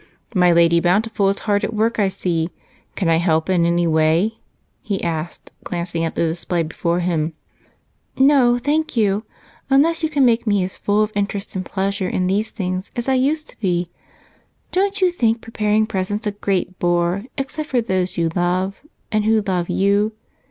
"My Lady Bountiful is hard at work, I see. Can I help in any way?" he asked, glancing at the display before him. "No, thank you, unless you can make me as full of interest and pleasure in these things as I used to be. Don't you think preparing presents a great bore, except for those you love and who love you?"